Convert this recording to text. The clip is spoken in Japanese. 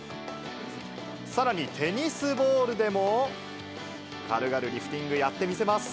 さらに、テニスボールでも、軽々リフティング、やってみせます。